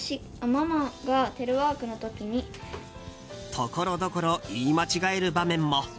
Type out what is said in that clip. ところどころ言い間違える場面も。